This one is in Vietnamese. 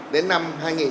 đến năm hai nghìn ba mươi